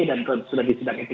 dan sedang disidang etikasi